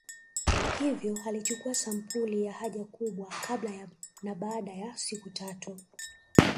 Hivyo alichukua sampuli ya haja kubwa kabla na baada ya siku tatu